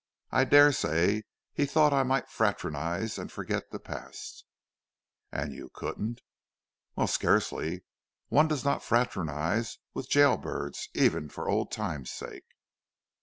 "I daresay he thought I might fraternise and forget the past." "And you couldn't?" "Well, scarcely. One does not fraternise with gaol birds even for old time's sake."